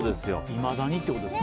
いまだにってことですね。